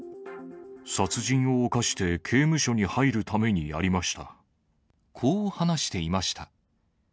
殺人を犯して刑務所に入るたこう話していました。